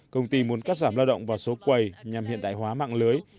công ty muốn cắt giảm lao động và số quầy nhằm hiện đại hóa mạng lưới